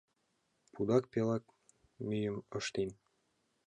Пудак пелак мӱйым ыштен